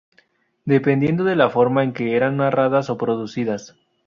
Dependiendo de la forma en que eran narradas o producidas.